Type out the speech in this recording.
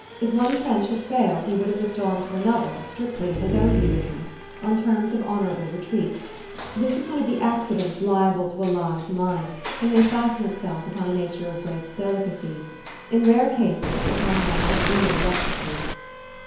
If one trench had failed, he would have withdrawn to an other, strictly, in his own view at least, on terms of honorable retreat. This is one of the accidents liable to a lithe mind, and may fasten itself upon a nature of great delicacy ; in rare cases, upon one of real rectitude.